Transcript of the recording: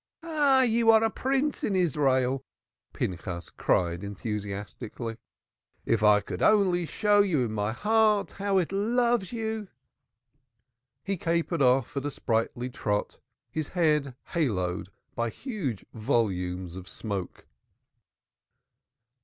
"Ah! You are a Prince in Israel," Pinchas cried enthusiastically. "If I could only show you my heart, how it loves you." He capered off at a sprightly trot, his head haloed by huge volumes of smoke.